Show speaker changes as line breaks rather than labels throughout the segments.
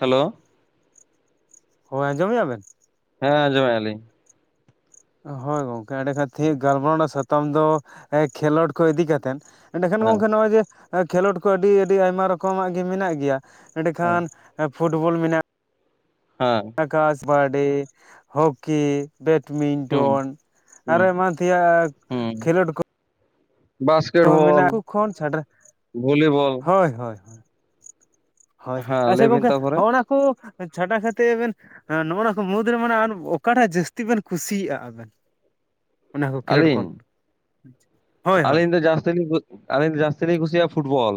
Hello
ᱦᱳᱭ ᱟᱸᱡᱚᱢᱮᱫᱟ ᱵᱮᱱ?
ᱦᱮᱸ ᱟᱸᱡᱚᱢᱮᱭᱟ ᱞᱤᱧ
ᱦᱳᱭ ᱜᱚᱝᱠᱮ ᱮᱸᱰᱮ ᱠᱷᱟᱡ ᱜᱟᱞᱢᱟᱨᱟᱣᱱᱟ ᱥᱟᱛᱟᱢ ᱫᱚ ᱠᱷᱮᱞᱳᱰ, ᱠᱚ ᱤᱫᱤ ᱠᱟᱛᱮᱫ ᱮᱸᱰᱮᱠᱷᱟᱱ
ᱦᱮᱸ
ᱜᱚᱢᱠᱮ ᱱᱚᱜ-ᱚᱭ ᱡᱮ ᱠᱷᱮᱞᱳᱰ ᱠᱚ ᱟᱹᱰᱤ ᱟᱹᱰᱤ ᱟᱭᱢᱟ ᱨᱚᱠᱚᱢᱟᱜ ᱜᱮ ᱢᱮᱱᱟᱜ ᱜᱮᱭᱟ
ᱦᱮᱸ
ᱮᱸᱰᱮᱠᱷᱟᱱ ᱮᱸ ᱯᱷᱩᱴᱵᱚᱞ ᱢᱮᱱᱟᱜ
ᱦᱮᱸ
ᱟᱠᱟᱥ, ᱵᱟᱰᱤ, ᱦᱚᱠᱤ,
ᱦᱩᱸ
ᱵᱮᱴᱢᱤᱱᱴᱚᱱ, ᱟᱨᱚ
ᱦᱩᱸ
ᱮᱢᱟᱱ ᱛᱮᱭᱟᱜ
ᱦᱩᱸ
ᱠᱷᱮᱞᱳᱰ ᱠᱚ
ᱵᱟᱥᱠᱮᱴ ᱵᱚᱞ
ᱢᱮᱱᱟᱜ-ᱟ ᱩᱱᱠᱩ ᱠᱷᱚᱱ ᱪᱷᱟᱰᱟ
ᱵᱷᱚᱞᱤᱵᱚᱞ
ᱦᱳᱭ ᱦᱳᱭ ᱦᱳᱭ
ᱦᱮᱸ
ᱟᱪᱪᱷᱟ
ᱞᱟᱹᱭ ᱵᱤᱱ
ᱜᱚᱝᱠᱮ
ᱛᱟᱯᱚᱨᱮ
ᱦᱚᱜ-ᱚ ᱚᱱᱟ ᱪᱷᱟᱰᱟ ᱠᱟᱛᱮ ᱵᱮᱱ ᱱᱚᱜ ᱱᱚᱣᱟ ᱠᱚ ᱢᱩᱫᱽ ᱨᱮ ᱢᱟᱱᱮ ᱚᱠᱟᱴᱟᱜ ᱡᱟᱹᱥᱛᱤ ᱵᱮᱱ ᱠᱩᱥᱤᱭᱟᱜ-ᱟ ᱟᱵᱮᱱ ᱚᱱᱟ ᱠᱚ ᱠᱷᱮᱞᱳᱰ
ᱟᱹᱞᱤᱧ
ᱠᱷᱚᱱ? ᱦᱳᱭ ᱦᱳᱭ
ᱟᱹᱞᱤᱧ ᱫᱚ ᱡᱟᱹᱥᱛᱤ ᱞᱤᱧ ᱟᱹᱞᱤᱧ ᱡᱟᱹᱥᱛᱤ ᱞᱤᱧ ᱠᱩᱥᱤᱭᱟᱜ-ᱟ ᱯᱷᱩᱴᱵᱚᱞ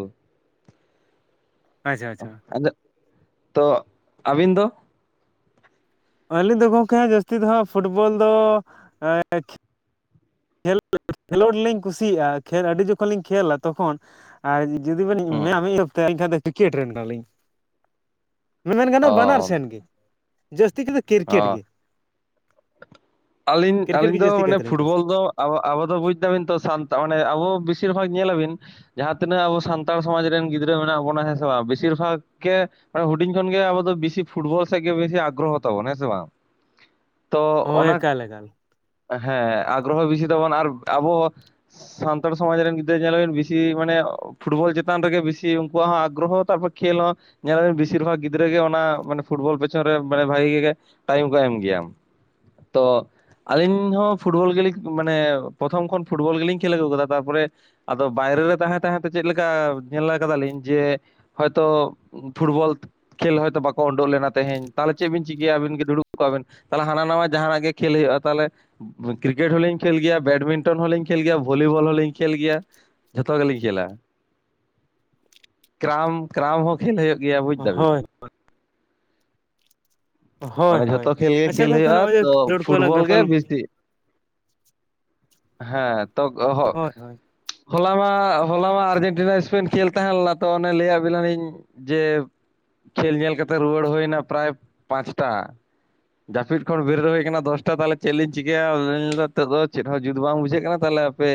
ᱟᱪᱪᱷᱟ ᱟᱪᱪᱷᱟ
ᱛᱚ ᱟᱹᱵᱤᱱ ᱫᱚ
ᱟᱹᱞᱤᱧ ᱫᱚ ᱜᱚᱢᱠᱮ ᱡᱟᱹᱥᱛᱤ ᱫᱚ ᱦᱟᱸᱜ ᱯᱷᱩᱴᱵᱚᱞ ᱫᱚ ᱮᱻ ᱠᱷᱮᱞ ᱠᱷᱮᱞᱳᱰ ᱞᱤᱧ ᱠᱩᱥᱤᱭᱟᱜ-ᱟ ᱠᱷᱮᱞ ᱟᱹᱰᱤ ᱡᱚᱠᱷᱚᱱ ᱞᱤᱧ ᱠᱷᱮᱹᱞᱟ ᱛᱚᱠᱷᱚᱱ ᱟᱨ ᱡᱩᱫᱤ ᱵᱤᱱ
ᱦᱩᱸ
ᱢᱮᱱᱟ ᱢᱤᱫ ᱦᱤᱥᱟᱵ ᱛᱮ ᱮᱱᱠᱷᱟᱱ ᱫᱚ ᱠᱨᱤᱠᱮᱴ ᱨᱮᱱ ᱠᱟᱱᱟᱞᱤᱧ [unintelligible] ᱢᱮᱢᱮᱱ ᱜᱟᱱᱚᱜ-ᱟ
ᱚ
ᱵᱟᱱᱟᱨ ᱥᱮᱱ ᱜᱮ ᱡᱟᱹᱥᱛᱤ ᱛᱮᱫᱚ
ᱚ
ᱠᱨᱤᱠᱮᱴ ᱜᱮ
ᱟᱹᱞᱤᱧ
ᱠᱨᱤᱠᱮᱴ
ᱟᱹᱞᱤᱧ
ᱜᱮ
ᱫᱚ
ᱡᱟᱹᱥᱛᱤ
ᱢᱟᱱᱮ
ᱠᱟᱭᱛᱮᱞᱤᱧ
ᱯᱷᱩᱴᱵᱚᱞ,
ᱠᱩᱥᱤᱭᱟᱜᱼᱟ
ᱫᱚ ᱟᱵᱚ ᱟᱵᱚ ᱫᱚ ᱵᱩᱡᱽ ᱫᱟᱵᱤᱱ ᱛᱚ ᱥᱟᱱᱛ ᱢᱟᱱᱮ ᱟᱵᱚ ᱵᱮᱥᱤᱨ ᱵᱷᱟᱜᱽ ᱧᱮᱞ ᱟᱵᱤᱱ ᱡᱟᱦᱟᱸ ᱛᱤᱱᱟᱹᱜ ᱟᱵᱚ ᱥᱟᱱᱛᱟᱲ ᱥᱚᱢᱟᱡᱽ ᱨᱮᱱ ᱜᱤᱫᱽᱨᱟᱹ ᱢᱮᱱᱟᱜ ᱵᱚᱱᱟ ᱦᱮᱸ ᱥᱮ ᱵᱟᱝ ᱵᱮᱥᱤᱨ ᱵᱷᱟᱜᱽ ᱜᱮ ᱢᱟᱱᱮ ᱦᱩᱰᱤᱧ ᱠᱷᱚᱱ ᱜᱮ ᱟᱵᱚ ᱵᱤᱥᱤ ᱯᱷᱩᱴᱵᱚᱞ ᱥᱮᱫᱜ ᱜᱮ ᱵᱤᱥᱤ ᱟᱜᱽᱨᱚᱛᱷ ᱛᱟᱵᱚᱱ ᱦᱮᱸᱥᱮ ᱵᱟᱝ ᱛᱚ
ᱦᱳᱭ
ᱚᱱᱟ
ᱮᱠᱟᱞ ᱮᱠᱟᱞ
ᱦᱮᱸ ᱟᱜᱽᱨᱚ ᱦᱚᱸ ᱵᱮᱥᱤ ᱛᱟᱵᱚᱱ ᱟᱨ ᱟᱵᱚ ᱥᱟᱱᱛᱟᱲ ᱥᱚᱢᱟᱡᱽ ᱨᱮᱱ ᱜᱤᱫᱽᱨᱟᱹ ᱧᱮᱞᱤᱱ ᱵᱤᱥᱤ ᱢᱟᱱᱮ ᱯᱷᱩᱴᱵᱚᱞ ᱪᱮᱛᱟᱱ ᱨᱮᱜᱮ ᱵᱤᱥᱤ ᱩᱱᱠᱩᱣᱟᱜ ᱦᱚᱸ ᱟᱜᱽᱨᱚᱦᱚᱨ ᱛᱟᱯᱚᱨ ᱠᱷᱮᱞ ᱦᱚᱸ ᱧᱮᱞ ᱟᱵᱤᱱ ᱵᱮᱥᱤᱨ ᱵᱷᱟᱜᱽ ᱜᱤᱫᱽᱨᱟᱹ ᱜᱮ ᱚᱱᱟ ᱢᱟᱱᱮ ᱯᱷᱩᱴᱵᱚᱞ ᱯᱮᱪᱷᱚᱱ ᱨᱮ ᱢᱟᱱᱮ ᱵᱷᱟᱜᱤ ᱜᱮ ᱴᱟᱭᱤᱢ ᱠᱚ ᱮᱢ ᱜᱮᱭᱟᱢ ᱛᱚ ᱟᱹᱞᱤᱧ ᱦᱚᱸ ᱯᱷᱩᱴᱵᱚᱞ ᱜᱮᱞᱤᱧ ᱢᱟᱱᱮ ᱯᱨᱚᱛᱷᱚᱢ ᱠᱷᱚᱱ ᱯᱷᱩᱴᱵᱚᱞ ᱜᱮᱞᱤᱧ ᱠᱷᱮᱞ ᱟᱹᱜᱩ ᱠᱟᱫᱟ ᱛᱟᱨᱯᱚᱨᱮ ᱟᱫᱚ ᱵᱟᱭᱨᱮ ᱨᱮ ᱛᱟᱦᱮᱸ ᱛᱟᱦᱮᱸ ᱛᱮ ᱪᱮᱫ ᱞᱮᱠᱟ ᱧᱮᱞ ᱠᱟᱫᱟᱞᱤᱧ ᱡᱮ ᱦᱚᱭᱛᱚ ᱯᱷᱩᱴᱵᱚᱞ ᱠᱷᱮᱞ ᱦᱚᱭᱛᱚ ᱵᱟᱠᱚ ᱩᱰᱩᱜᱠ ᱞᱮᱱᱟ ᱛᱮᱦᱤᱧ, ᱛᱟᱦᱚᱞᱮ ᱪᱮᱫ ᱵᱤᱱ ᱪᱤᱠᱟᱹᱭᱟᱵᱤᱱ ᱜᱮ ᱫᱩᱲᱩᱵ ᱠᱚᱜ ᱟᱵᱤᱱ ᱛᱟᱦᱚᱞᱮ ᱦᱟᱱᱟ ᱱᱟᱣᱟ ᱡᱟᱦᱟᱱᱟᱜ ᱜᱮ ᱠᱷᱮᱞ ᱦᱩᱭᱩᱜᱼᱟ ᱛᱟᱦᱚᱞᱮ᱾ ᱠᱨᱤᱠᱮᱴ ᱦᱚᱞᱤᱧ ᱠᱷᱮᱞ ᱜᱮᱭᱟ, ᱵᱮᱰᱢᱤᱱᱴᱚᱱ ᱦᱚᱞᱤᱧ ᱠᱷᱮᱞ ᱜᱮᱭᱟ, ᱵᱷᱚᱞᱤᱵᱚᱞ ᱦᱚᱞᱤᱧ ᱠᱷᱮᱞ ᱜᱮᱭᱟ᱾ ᱡᱷᱚᱛᱚ ᱜᱮᱞᱤᱧ ᱠᱷᱮᱞᱟ, ᱠᱮᱨᱟᱢ ᱠᱮᱨᱟᱢ ᱦᱚᱸ ᱠᱷᱮᱞ ᱦᱩᱭᱩᱜ ᱜᱮᱭᱟ ᱵᱩᱡ ᱫᱟᱵᱤᱱ᱾
ᱦᱳᱭ ᱦᱳᱭ
ᱢᱟᱱᱮ
ᱦᱳᱭ
ᱡᱷᱚᱛᱚ ᱠᱷᱮᱞ ᱜᱮ ᱠᱷᱮᱞ
ᱟᱪᱪᱷᱟ ᱜᱚᱝᱠᱮ
ᱦᱩᱭᱩᱜᱼᱟ
ᱱᱚᱜᱼᱚᱭ
ᱛᱚ
ᱠᱷᱮᱞᱳᱰ ᱠᱚᱞᱟᱝ
ᱯᱷᱩᱴᱵᱚᱞ ᱜᱮ
ᱜᱟᱯᱟᱞ
ᱵᱮᱥᱤ᱾ ᱦᱮᱸ
ᱦᱳᱭ ᱦᱳᱭ
[unintelligible] ᱦᱚᱞᱟᱢᱟ ᱦᱚᱞᱟᱢᱟ ᱟᱨᱡᱮᱱᱴᱤᱱᱟ ᱮᱥᱯᱮᱱ ᱠᱷᱮᱞ ᱛᱟᱦᱮᱸ ᱞᱮᱱᱟ ᱛᱚ ᱚᱱᱮ ᱞᱟᱹᱭᱟᱫ ᱵᱮᱤᱱᱟᱞᱤᱧ ᱡᱮ ᱠᱷᱮᱞ ᱧᱮᱞ ᱠᱟᱛᱮ ᱨᱩᱣᱟᱹᱲ ᱦᱩᱭᱱᱟ ᱯᱨᱟᱭ [unintelligible] ᱡᱟᱹᱯᱤᱫ ᱠᱷᱚᱱ ᱵᱤᱨᱮᱫ ᱦᱩᱭ ᱟᱠᱟᱱᱟ ᱫᱚᱥᱴᱟ ᱛᱟᱞᱦᱮ ᱪᱮᱫ ᱞᱤᱧ ᱪᱤᱠᱟᱹᱭᱟ [unintelligible] ᱱᱤᱛᱜ ᱫᱚ ᱪᱮᱫ ᱦᱚᱸ ᱡᱩᱛ ᱵᱟᱝ ᱵᱩᱡᱷᱟᱹᱜ ᱠᱟᱱᱟ ᱛᱟᱦᱚᱞᱮ ᱯᱮ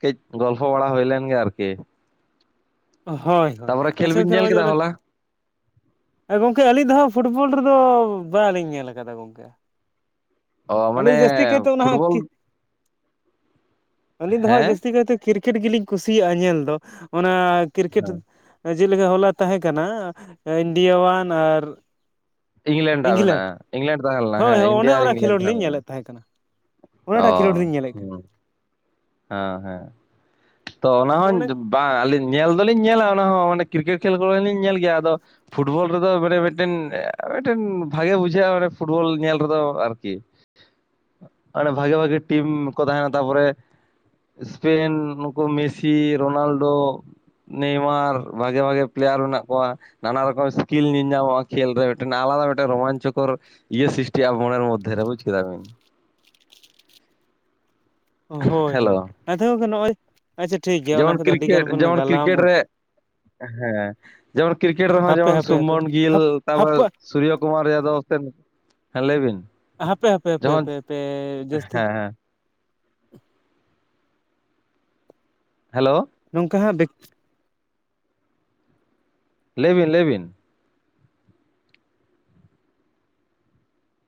ᱠᱟᱹᱡ ᱜᱚᱞᱯᱷᱚ ᱵᱟᱲᱟ ᱦᱩᱭ ᱞᱮᱱ ᱜᱮ ᱟᱨᱠᱤ᱾
ᱦᱳᱭ ᱦᱳᱭ
ᱛᱟᱯᱚᱨᱮ ᱠᱷᱮᱞ
ᱟᱪᱪᱷᱟ
ᱵᱤᱱ ᱧᱮᱞ ᱠᱮᱫᱟ
[unintelligible]
ᱦᱚᱞᱟ
ᱦᱮᱸ ᱜᱚᱝᱠᱮ ᱟᱹᱞᱤᱧ ᱫᱚ ᱦᱟᱸᱜ ᱯᱷᱩᱴᱵᱚᱞ ᱨᱮᱫᱚ ᱵᱟᱹᱞᱤᱧ ᱧᱮᱞ ᱠᱟᱫᱟ ᱜᱚᱝᱠᱮ᱾
ᱚ
ᱟᱞᱮ
ᱢᱟᱱᱮ
ᱫᱚ ᱡᱟᱹᱥᱛᱤ ᱠᱟᱭᱛᱮ ᱚᱱᱟ
ᱯᱷᱩᱴᱵᱚᱞ
ᱟᱹᱞᱤᱧ ᱫᱚ ᱦᱟᱸᱜ
ᱦᱮᱸ
ᱡᱟᱹᱥᱛᱤ ᱠᱟᱭᱛᱮ ᱠᱨᱤᱠᱮᱴ ᱜᱮᱞᱤᱧ ᱠᱩᱥᱤᱭᱟᱜᱼᱟ ᱧᱮᱞ ᱫᱚ, ᱚᱱᱟ ᱠᱨᱤᱠᱮᱴ
ᱦᱮᱸ
ᱡᱮᱫᱮᱠᱟ ᱦᱚᱞᱟ ᱛᱟᱦᱮᱸ ᱠᱟᱱᱟᱟᱱᱟ ᱤᱱᱰᱤᱭᱟᱳᱣᱟᱱ ᱟᱨ
ᱤᱝᱞᱮᱱᱰᱟᱜ
ᱤᱝᱞᱮᱱᱰ
ᱢᱮᱱᱟᱜᱼᱟ ᱤᱝᱞᱮᱱᱰ ᱛᱟᱦᱮᱸ ᱞᱮᱱᱟ
ᱦᱳᱭ
ᱦᱮᱸ
ᱦᱳᱭ ᱚᱱᱮ
ᱤᱱᱰᱤᱭᱟ ᱟᱨ
ᱚᱱᱟ
ᱤᱝᱞᱮᱱᱰ
ᱠᱷᱮᱞᱳᱰ ᱞᱤᱧ
ᱞᱮᱱᱟ
ᱧᱮᱞᱮᱫ ᱛᱟᱦᱮᱸ ᱠᱟᱱᱟ᱾
ᱚ
ᱚᱱᱟᱴᱟᱜ ᱠᱷᱮᱞᱳᱰ ᱨᱮᱧ ᱧᱮᱞᱮᱫ
ᱦᱩᱸ
ᱠᱟᱱ,
ᱦᱮᱸ ᱦᱮᱸ ᱛᱚ ᱚᱱᱟ ᱦᱚᱸ
ᱚᱱᱮ
ᱵᱟᱝ ᱟᱹᱞᱤᱧ ᱧᱮᱞ ᱫᱚᱞᱤᱧ ᱧᱮᱞᱟ ᱚᱱᱟ ᱦᱚᱸ ᱢᱟᱱᱮ ᱠᱨᱤᱠᱮᱴ ᱠᱷᱮᱞ ᱦᱚᱸ ᱞᱤᱧ ᱧᱮᱞ ᱜᱮᱭᱟ᱾ ᱟᱫᱚ ᱯᱷᱩᱴᱵᱚᱞ ᱨᱮᱫᱚ ᱢᱟᱱᱮ ᱢᱤᱫᱴᱮᱱ ᱢᱤᱫᱴᱮᱱ ᱵᱷᱟᱜᱮ ᱵᱩᱡᱷᱟᱹᱜᱼᱟ ᱢᱟᱱᱮ ᱯᱷᱩᱴᱵᱚᱞ ᱧᱮᱞ ᱨᱮᱫᱚ ᱟᱨᱠᱤ᱾ ᱟᱨ ᱵᱷᱟᱜᱮ ᱵᱷᱟᱜᱮ ᱴᱤᱢ ᱠᱚ ᱛᱟᱸᱦᱮᱱᱟ ᱛᱟᱯᱚᱨᱮ ᱥᱯᱮᱱ ᱱᱩᱠᱩ ᱢᱮᱥᱤ ᱨᱳᱱᱟᱞᱰᱳ, ᱱᱮᱭᱢᱟᱨ ᱵᱷᱟᱜᱮ ᱵᱷᱟᱜᱮ ᱯᱞᱮᱭᱟᱨ ᱢᱮᱱᱟᱜ ᱠᱚᱣᱟ᱾ ᱱᱟᱟᱱᱟ ᱨᱚᱠᱚᱢ ᱥᱠᱤᱞ ᱧᱮᱞ ᱧᱟᱢᱼᱚᱜ ᱟ ᱠᱷᱮᱞ ᱨᱮ ᱟᱞᱟᱫᱟ ᱢᱤᱫᱴᱮᱱ ᱨᱚᱢᱟᱱᱪᱠᱚᱨ, ᱤᱭᱟᱹ ᱥᱤᱥᱴᱤᱜ ᱟ ᱢᱚᱱᱮᱨ ᱢᱚᱫᱷᱮ ᱨᱮ ᱵᱩᱡ ᱠᱮᱫᱟ ᱵᱤᱱ,
ᱦᱳᱭ
ᱦᱮᱞᱳ
ᱦᱳᱭ ᱟᱪᱪᱷᱟ ᱜᱚᱢᱠᱮ ᱱᱚᱸᱜᱼᱚᱭ ᱟᱪᱪᱷᱟ ᱴᱷᱤᱠ ᱜᱮᱭᱟ ᱚᱱᱟ
ᱡᱮᱢᱚᱱ
ᱠᱚᱫᱚ ᱟᱹᱰᱤᱜᱟᱱ
ᱠᱨᱤᱠᱮᱴ
ᱵᱤᱱ
ᱡᱮᱢᱚᱱ
ᱜᱟᱞᱟᱢ
ᱠᱨᱤᱠᱮᱴ ᱨᱮ ᱦᱮᱸ ᱡᱮᱢᱚᱱ ᱠᱨᱤᱠᱮᱴ ᱨᱮᱦᱚᱸ
ᱦᱟᱯᱮ
ᱡᱮᱢᱚᱱ
ᱦᱟᱯᱮ ᱦᱟᱯᱮ
ᱥᱩᱢᱚᱱ ᱜᱤᱞ
ᱦᱟᱯ
ᱛᱟᱯᱚᱨ
ᱦᱟᱯᱮ
ᱥᱩᱨᱡᱚ ᱠᱩᱢᱟᱨ ᱡᱟᱫᱚᱵ, ᱦᱮᱸ ᱞᱟᱹᱭ ᱵᱤᱱ
ᱦᱟᱯᱮ ᱦᱟᱯᱮ ᱦᱟᱯᱮ
ᱡᱚᱠᱷᱚᱱ
ᱦᱟᱯᱮ ᱦᱟᱯᱮ ᱡᱟᱹᱥᱛᱤ
ᱦᱮᱸ ᱦᱮᱸ ᱦᱮᱞᱳ
ᱱᱚᱝᱠᱟ ᱦᱟᱸᱜ ᱵᱮᱠ
ᱞᱟᱹᱭ ᱵᱤᱱ ᱞᱟᱹᱭ ᱵᱤᱱ